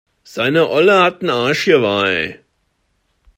Seine Olle hat ein Arschgeweih.